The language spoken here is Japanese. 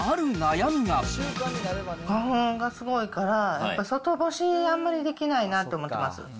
花粉がすごいから、やっぱ外干し、あんまりできないなと思ってます。